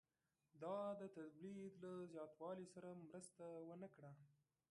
دا د تولید له زیاتوالي سره مرسته ونه کړه